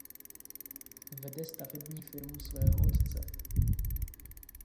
Vede stavební firmu svého otce.